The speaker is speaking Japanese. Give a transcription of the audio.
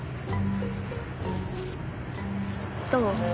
どう？